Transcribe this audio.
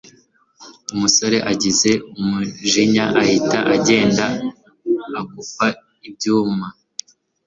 umusore agize umujinya ahita agenda akupa ibyuma